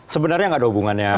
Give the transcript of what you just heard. sebenarnya enggak ada hubungannya